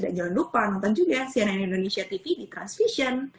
dan jangan lupa nonton juga cnn indonesia tv di transvision